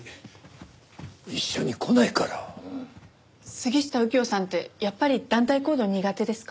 杉下右京さんってやっぱり団体行動苦手ですか？